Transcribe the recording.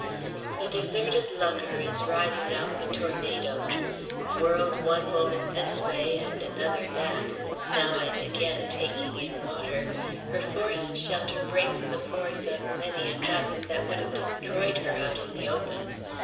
The deserted lugger is riding out the tornado. Whirled one moment this way and another that, now and again taking in water, her forest shelter breaks the force of many a gust that would have destroyed her out in the open.